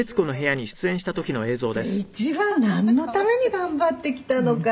「だって一番なんのために頑張ってきたのかね